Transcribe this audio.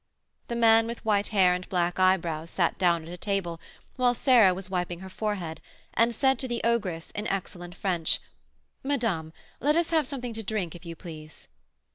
The man with white hair and black eyebrows sat down at a table, whilst Sarah was wiping her forehead, and said to the ogress, in excellent French, "Madame, let us have something to drink, if you please."